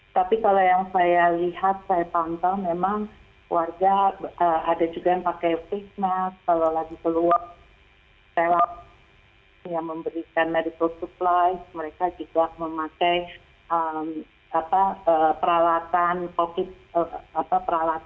tapi kalau yang saya lihat saya pantau memang warga ada juga yang pakai face mask kalau lagi keluar telak yang memberikan medical supply mereka juga memakai peralatan untuk covid sembilan belas menjaga mereka dari covid sembilan belas